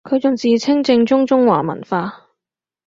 佢仲自稱正宗中華文化